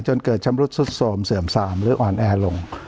จนเกิดชำรุดสุดโสมเสื่อมสามหรืออ่อนแอลง